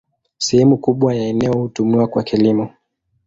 Sehemu kubwa ya eneo hutumiwa kwa kilimo.